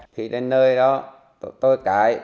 khi đến nơi đó tôi cãi